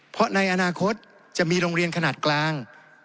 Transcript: เพราะในอนาคตจะมีโรงเรียนขนาดกลาง